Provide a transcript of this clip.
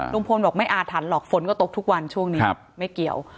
ลุงพลบอกไม่อาถรรพ์หรอกฝนก็ตกทุกวันช่วงนี้ไม่เกี่ยว